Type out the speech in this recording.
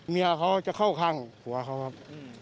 เมียเขาจะเข้าข้างผัวเขาครับ